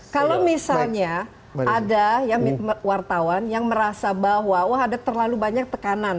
kalau misalnya ada wartawan yang merasa bahwa wah ada terlalu banyak tekanan